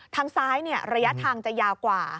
ทางซ้ายระยะทางจะยาวกว่า